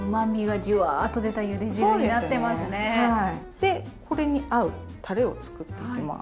でこれに合うたれを作っていきます。